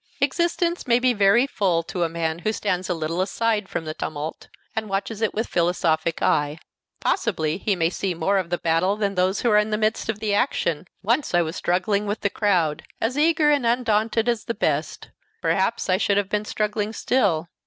Existence may be very full to a man who stands a little aside from the tumult and watches it with philosophic eye. Possibly he may see more of the battle than those who are in the midst of the action. Once I was struggling with the crowd, as eager and undaunted as the best; perhaps I should have been struggling still.